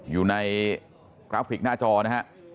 อยู่ในกราฟิกหน้าจอนะฮะ